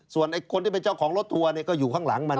ส่วนคนที่เป็นเจ้าของรถทัวร์ก็อยู่ข้างหลังมัน